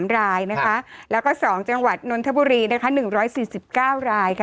๙๙๓รายนะคะแล้วก็สองจังหวัดนวนทบุรีนะคะหนึ่งร้อยสิบเก้ารายค่ะ